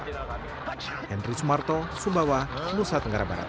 hendry sumarto sumbawa nusa tenggara barat